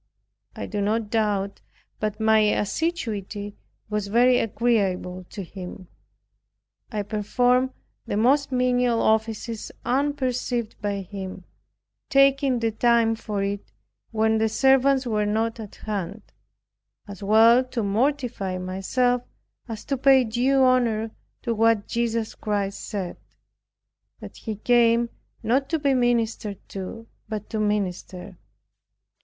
I do not doubt but my assiduity was very agreeable to him. I performed the most menial offices unperceived by him taking the time for it when the servants were not at hand; as well to mortify myself as to pay due honor to what Jesus Christ said, that He came not to be ministered to, but to minister.